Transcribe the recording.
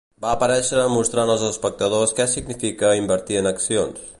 Va aparèixer mostrant els espectadors què significa invertir en accions.